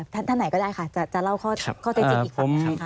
ท่านไหนก็ได้ค่ะจะเล่าข้อเท็จจริงอีกฝั่งหนึ่งค่ะ